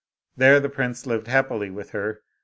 There the prince lived happily with her.